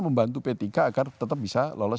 membantu p tiga agar tetap bisa lolos